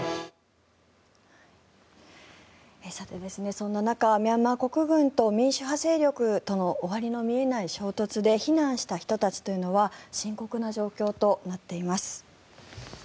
そんな中ミャンマー国軍と民主派勢力との終わりの見えない衝突で避難した人たちというのは深刻な状況となっています。